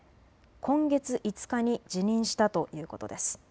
今月５日に辞任したということです。